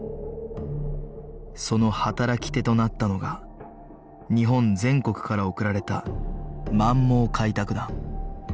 その働き手となったのが日本全国から送られた満蒙開拓団